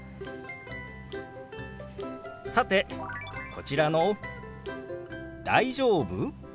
さてこちらの「大丈夫？」。